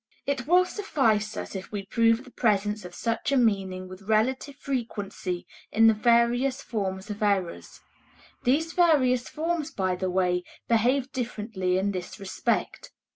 It will suffice us if we prove the presence of such a meaning with relative frequency in the various forms of errors. These various forms, by the way, behave differently in this respect.